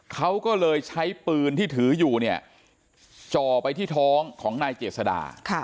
เขาก็เลยใช้ปืนที่ถืออยู่เนี่ยจ่อไปที่ท้องของนายเจษดา